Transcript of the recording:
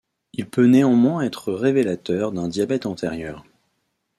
Il peut néanmoins être révélateur d'un diabète antérieur.